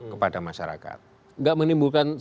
kepada masyarakat enggak menimbulkan